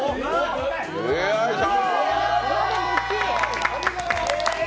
よいしょ！